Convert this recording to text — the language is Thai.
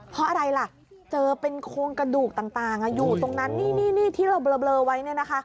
เพราะอะไรล่ะเจอเป็นโครงกระดูกต่างอยู่ตรงนั้นที่เราเบลอไว้